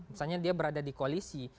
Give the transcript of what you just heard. misalnya dia berada di koalisi